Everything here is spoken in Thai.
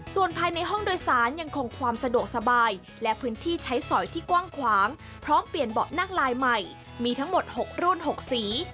ส่วนภายในห้องโดยสารยังคงความสะดวกสบายและพื้นที่ใช้สอยที่กว้างขวางพร้อมเปลี่ยนเบาะนั่งลายใหม่มีทั้งหมด๖รุ่น๖สี